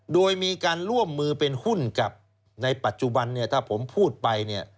โดยมีการร่วมมือเป็นหุ้นกับในปัจจุบันถ้าผมพูดไป